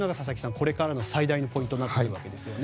これからの最大のポイントになってくるわけですね。